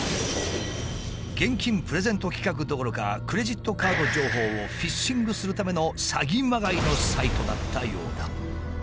現金プレゼント企画どころかクレジットカード情報をフィッシングするための詐欺まがいのサイトだったようだ。